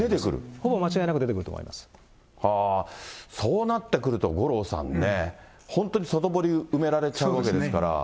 ほぼ間違いなく出てくると思そうなってくると、五郎さんね、本当に外堀埋められちゃうわけですから。